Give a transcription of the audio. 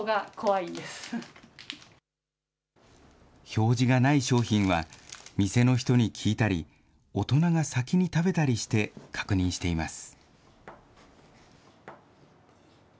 表示がない商品は、店の人に聞いたり、大人が先に食べたりして、確認しています。